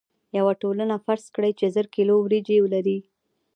یوه ټولنه فرض کړئ چې زر کیلو وریجې لري.